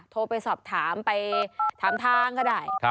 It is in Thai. โทรไปสอบถามไปถามทางก็ได้